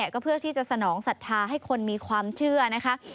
ก็เพื่อที่จะสนองศรัทธาให้คนมีความเชื่อนะคะ